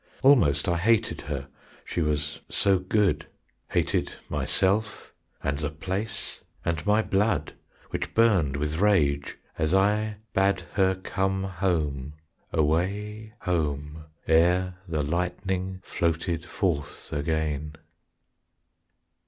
Almost I hated her, she was so good, Hated myself, and the place, and my blood, Which burned with rage, as I bade her come Home, away home, ere the lightning floated forth again.